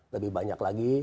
lebih banyak lagi